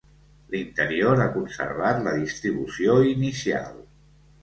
L'interior ha conservat la distribució inicial.